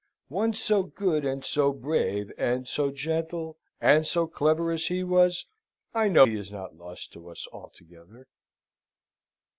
One so good, and so brave, and so gentle, and so clever as he was, I know is not lost to us altogether."